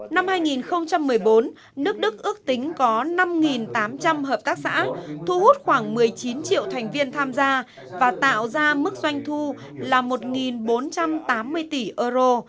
năm hai nghìn một mươi bốn nước đức ước tính có năm tám trăm linh hợp tác xã thu hút khoảng một mươi chín triệu thành viên tham gia và tạo ra mức doanh thu là một bốn trăm tám mươi tỷ euro